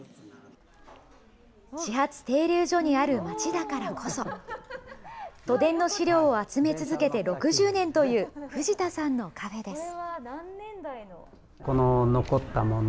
始発停留所にある町だからこそ、都電の資料を集め続けて６０年という、藤田さんのカフェです。